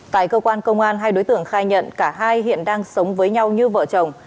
tại cơ quan công an hai đối tượng khai nhận cả hai hiện đang sống với nhau như vợ chồng